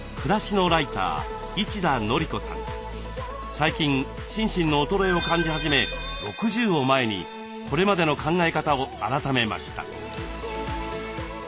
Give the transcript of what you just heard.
最近心身の衰えを感じ始め６０を前にこれまでの考え方を改めました。